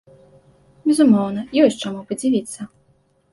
Безумоўна, ёсць чаму падзівіцца.